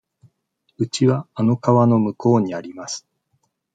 うちはあの川の向こうにあります。